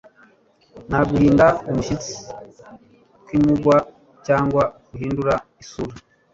nta guhinda umushyitsi kwimurwa cyangwa guhindura isura